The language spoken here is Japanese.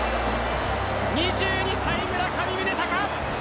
２２歳村上宗隆。